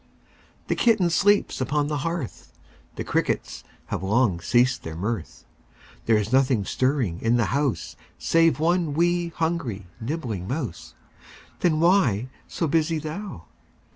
The kitten sleeps upon the hearth, The crickets long have ceased their mirth; There's nothing stirring in the house Save one 'wee', hungry, nibbling mouse, Then why so busy thou?